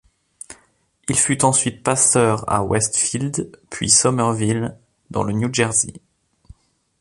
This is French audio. Il fut ensuite pasteur à Westfield, puis Somerville, dans le New Jersey.